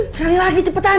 sekali lagi cepetan